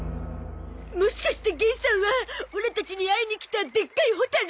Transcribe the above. もしかして玄さんはオラたちに会いに来たでっかいホタル！？